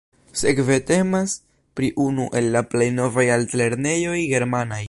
Sekve temas pri unu el la pli novaj altlernejoj germanaj.